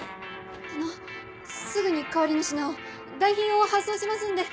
あのすぐに代わりの品を代品を発送しますんで！